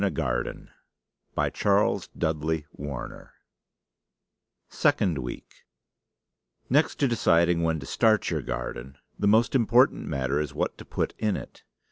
CHARLES DUDLEY WARNER MY SUMMER IN A GARDEN SECOND WEEK Next to deciding when to start your garden, the most important matter is what to put in it.